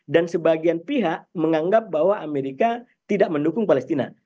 dan sebagian pihak menganggap bahwa amerika tidak mendukung palestina